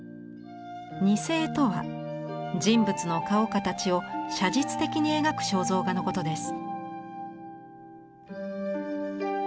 似絵とは人物の顔形を写実的に描く肖像画のことです。